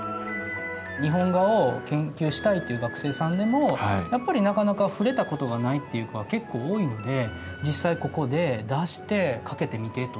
日本画を研究したいという学生さんでもやっぱりなかなか触れたことがないっていう子は結構多いので実際ここで出して掛けてみてとか。